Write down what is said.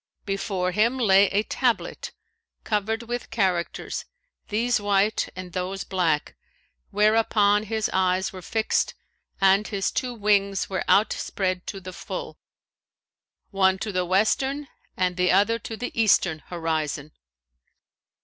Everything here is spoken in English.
Before him lay a tablet covered with characters, these white and those black,[FN#530] whereon his eyes were fixed, and his two wings were outspread to the full, one to the western and the other to the eastern horizon.